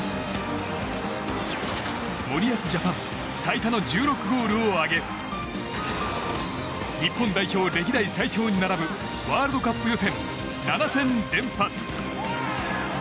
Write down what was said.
森保ジャパン最多の１６ゴールを挙げ日本代表歴代最長に並ぶワールドカップ予選７戦連発。